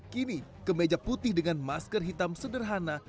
kini kemeja putih dengan masker hitam sederhana